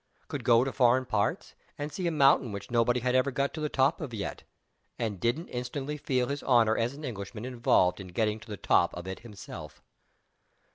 Could go to foreign parts, and see a mountain which nobody had ever got to the top of yet and didn't instantly feel his honor as an Englishman involved in getting to the top of it himself.